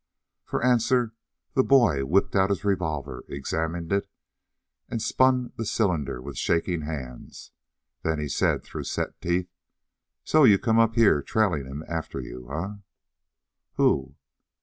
For answer the boy whipped out his revolver, examined it, and spun the cylinder with shaking hands. Then he said through set teeth: "So you come up here trailin' him after you, eh?" "Who?"